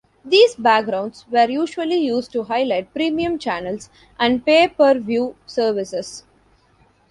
These backgrounds were usually used to highlight premium channels and pay-per-view services.